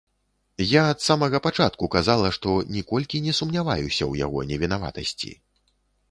Я ад самага пачатку казала, што ніколькі не сумняваюся ў яго невінаватасці.